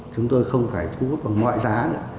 chúng tôi không phải thu hút bằng mọi giá nữa